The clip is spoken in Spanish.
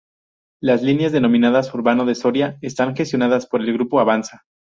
Las líneas, denominadas Urbano de Soria, están gestionadas por el grupo Avanza.